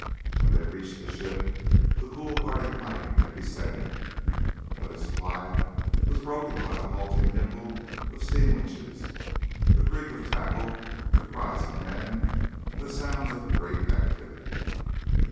When they reached the ship the cool Arctic night had descended, but its quiet was broken by the halting nimble of steam winches, the creak of tackle, the cries of men, and the sounds of a great activity.